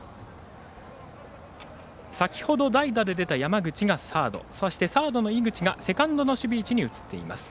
先ほど代打で出た山口がサードそしてサードの井口がセカンドの守備位置に移ってます。